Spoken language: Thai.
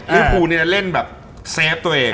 หรือภูกิคกี้พายจะเล่นเซฟตัวเอง